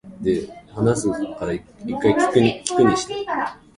そのあと、僕らは火が収まるまで、ずっと丸太の前で座っていた